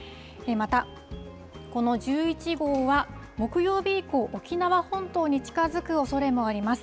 また、この１１号は、木曜日以降、沖縄本島に近づくおそれもあります。